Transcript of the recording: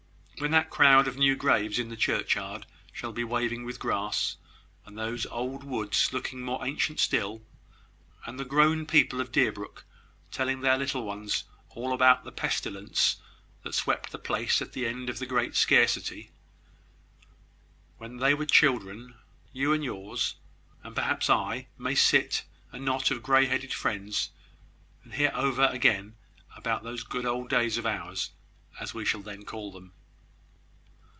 When that crowd of new graves in the churchyard shall be waving with grass, and those old woods looking more ancient still, and the grown people of Deerbrook telling their little ones all about the pestilence that swept the place at the end of the great scarcity, when they were children, you and yours, and perhaps I, may sit, a knot of grey headed friends, and hear over again about those good old days of ours, as we shall then call them."